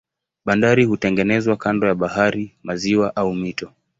Bandari hutengenezwa kando ya bahari, maziwa au mito.